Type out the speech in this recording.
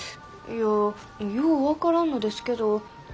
いやよう分からんのですけど